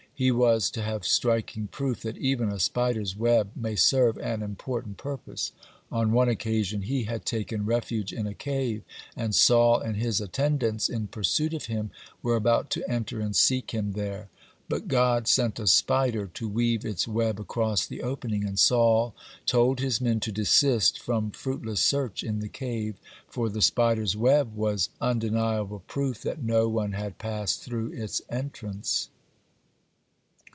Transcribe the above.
He was to have striking proof that even a spider's web may serve an important purpose. On one occasion he had taken refuge in a cave, and Saul and his attendants, in pursuit of him, were about to enter and seek him there. But God sent a spider to weave its web across the opening, and Saul told his men to desist from fruitless search in the cave, for the spider's web was undeniable proof that no one had passed through its entrance.